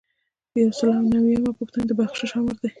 یو سل او یو نوي یمه پوښتنه د بخشش آمر دی.